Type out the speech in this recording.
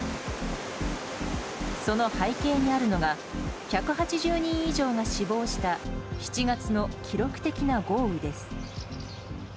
その背景にあるのが１８０人以上が死亡した７月の記録的な豪雨です。